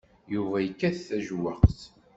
Yuba yekkat tajewwaqt.